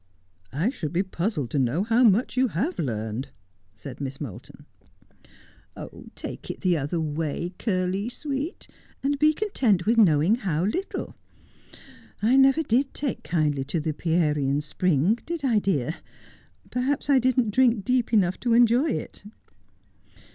' I should be puzzled to know how much you have learned,' said Miss Moulton. ' Take it the other way, Curly sweet, and be content with knowing how little. I never did take kindly to the Pierian spring, did I, dear ? Perhaps I didn't drink deep enough to enjoy it.